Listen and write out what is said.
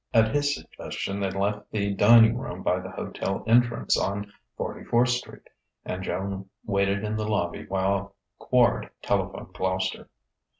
At his suggestion they left the dining room by the hotel entrance on Forty fourth Street, and Joan waited in the lobby while Quard telephoned Gloucester.